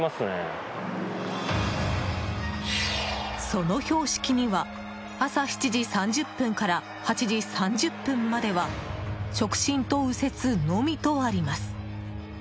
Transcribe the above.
その標識には朝７時３０分から８時３０分までは直進と右折のみとあります。